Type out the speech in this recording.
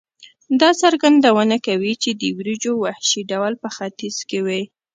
دا څرګندونه کوي چې د وریجو وحشي ډول په ختیځ کې وې.